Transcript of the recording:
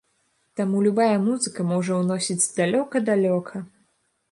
Таму любая музыка можа ўносіць далёка-далёка.